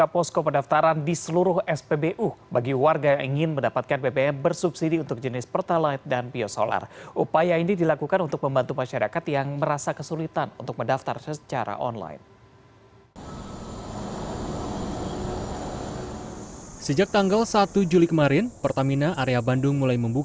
pertamina area bandung